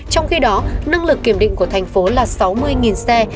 trong khi đó năng lực kiểm định của tp hcm là sáu mươi xe